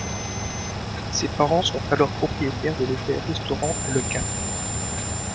Ses parents sont alors propriétaires de l'hôtel-restaurant Le Cap.